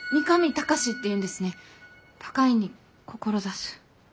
「高い」に「志す」。